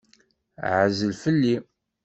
Ɛzel fell-i!